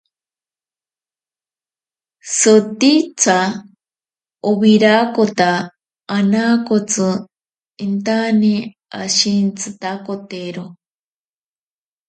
Sotitsa owirakotaka anaakotsi intane ashintsitakotero.